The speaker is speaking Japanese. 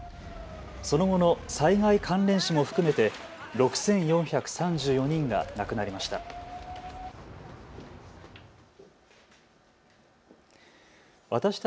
その後の災害関連死も含めて６４３４人が亡くなりました。